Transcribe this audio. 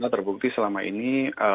terbukti selama ini